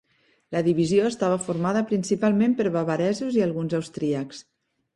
La divisió estava formada principalment per bavaresos i alguns austríacs.